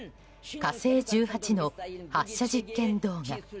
「火星１８」の発射実験動画。